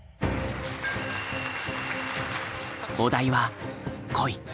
お題は「恋」。